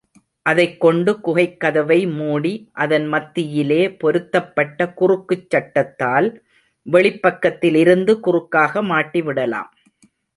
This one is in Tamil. அதைக்கொண்டு குகைக் கதவை மூடி, அதன் மத்தியிலே பொருத்தப்பட்ட குறுக்குச் சட்டத்தால் வெளிப் பக்கத்திலிருந்து குறுக்காக மாட்டிவிடலாம்.